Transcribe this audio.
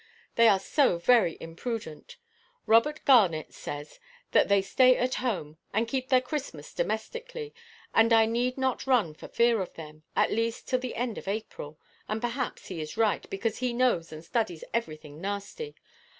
They are so very imprudent. Robert Garnet says that they stay at home, and keep their Christmas domestically, and I need not run for fear of them, at least till the end of April. And perhaps he is right, because he knows and studies everything nasty.